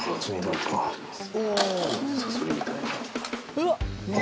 うわっ！